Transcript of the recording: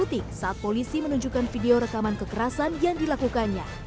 saat digunakan polisi menunjukkan video rekaman kekerasan yang dilakukannya